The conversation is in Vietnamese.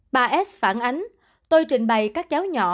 bà s phản ánh